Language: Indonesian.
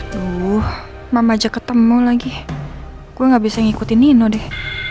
tuh mama aja ketemu lagi gue gak bisa ngikutin nino deh